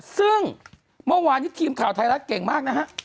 ซึ่งเมื่อวานนี้ทีมข่าวไทยรัฐเก่งมากนะฮะ